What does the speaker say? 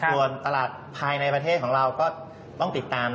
ส่วนตลาดภายในประเทศของเราก็ต้องติดตาม